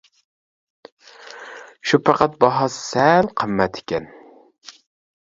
شۇ پەقەت باھاسى سەل قىممەت ئىكەن.